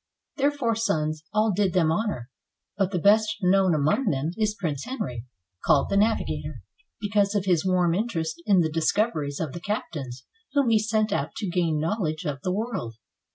Their four sons all did them honor, but the best known among them is Prince Henry, called the "Navigator," because of his warm interest in the discoveries of the captains whom he sent out to gain knowledge of the world.